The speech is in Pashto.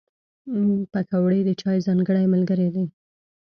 پکورې د چای ځانګړی ملګری دی